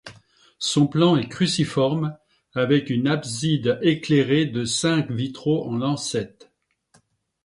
Son plan est cruciforme, avec une abside éclairée de cinq vitraux en lancettes.